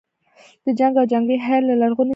د جنګ او جګړې هیت له لرغونې زمانې.